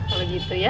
ada di lima